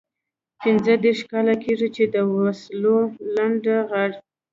پنځه دېرش کاله کېږي چې د وسلو لنډه غر.